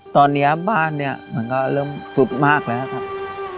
ตอนนี้บ้านเนี่ยมันก็เริ่มซุดมากแล้วครับ